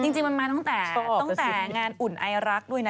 จริงมันมาตั้งแต่งานอุ่นไอรักด้วยนะ